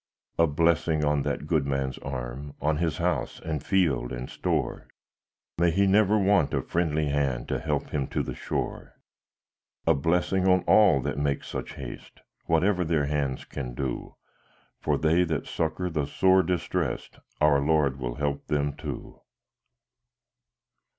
A blessing on that good man's arm, On his house, and field, and store; May he never want a friendly hand To help him to the shore! A blessing on all that make such haste, Whatever their hands can do! For they that succour the sore distressed, Our Lord will help them too.